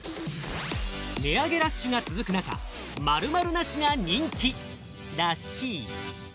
値上げラッシュが続く中、「〇〇なし」が人気らしい。